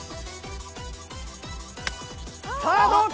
さあどうか？